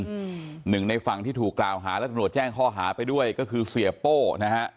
อืมหนึ่งในฝั่งที่ถูกกล่าวหาและตำรวจแจ้งข้อหาไปด้วยก็คือเสียโป้นะฮะ